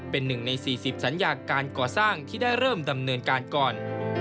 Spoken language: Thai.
เป็นหนึ่งใน๔๐สัญญาการก่อสร้างที่ได้เริ่มดำเนินการก่อน